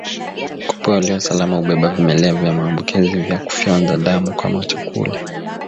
Kupe walio salama hubeba vimelea vya maambukizi kwa kufyonza damu kama chakula